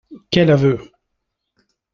Quel aveu